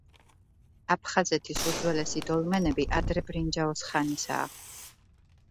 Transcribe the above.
აფხაზეთის უძველესი დოლმენები ადრე ბრინჯაოს ხანისაა.